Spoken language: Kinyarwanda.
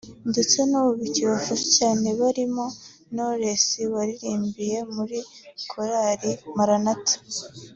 ndetse n’ubu bikibafasha cyane barimo Knowless waririmbye muri Korari Maranatha